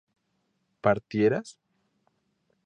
¿partieras?